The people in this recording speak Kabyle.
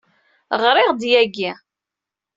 Ɣriɣ-d yagi.